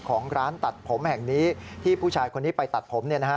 ของร้านตัดผมแห่งนี้ที่ผู้ชายคนนี้ไปตัดผม